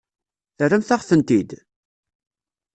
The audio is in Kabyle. Terramt-aɣ-tent-id?